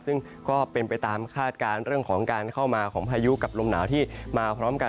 ซึ่งก็เป็นไปตามคาดการณ์เรื่องของการเข้ามาของพายุกับลมหนาวที่มาพร้อมกัน